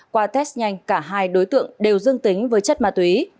qua test nhanh cả hai đối tượng đều dương tính với chất ma túy